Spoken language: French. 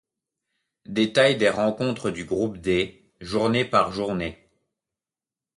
Détails des rencontres du groupe D, journée par journée.